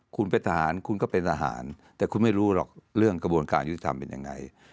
คุณเป็นทหารคุณก็เป็นทหารแต่คุณไม่รู้หรอกเรื่องกระบวนการยุติธรรมเป็นยังไง